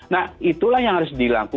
nah itulah yang harus dilakukan